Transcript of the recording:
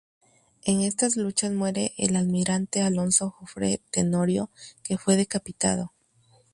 En estas luchas muere el almirante Alonso Jofre Tenorio, que fue decapitado.